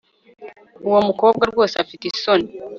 uwo mukobwa rwose afite isoni